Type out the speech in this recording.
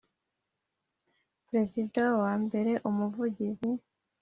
Perezida wa mbere Umuvugizi